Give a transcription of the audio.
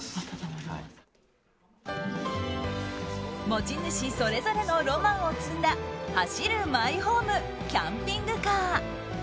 持ち主それぞれのロマンを積んだ走るマイホームキャンピングカー。